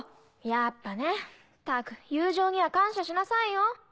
やっぱねったく友情には感謝しなさいよ。